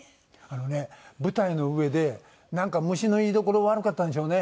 あのね舞台の上でなんか虫の居所悪かったんでしょうね。